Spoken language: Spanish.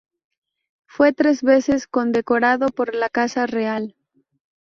Fue tres veces condecorado por la casa real.